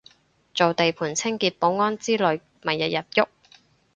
做地盤清潔保安之類咪日日郁